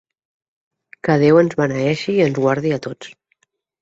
Que Déu ens beneeixi i ens guardi a tots!